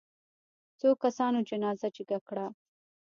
څو کسانو جنازه جګه کړه.